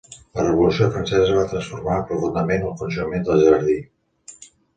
La Revolució Francesa va transformar profundament el funcionament del Jardí.